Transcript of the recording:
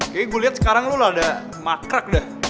kayaknya gue lihat sekarang lo ada makrak dah